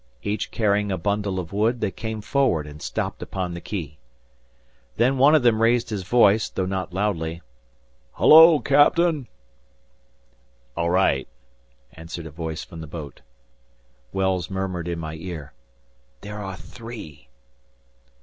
Each carrying a bundle of wood, they came forward and stopped upon the quay. Then one of them raised his voice, though not loudly. "Hullo! Captain!" "All right," answered a voice from the boat. Wells murmured in my ear, "There are three!"